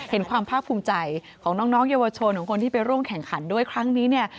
เห็นความภาคภูมิใจของน้องเยาวชนของคนที่ไปร่วมแข่งขันด้วยครั้งนี้เนี่ย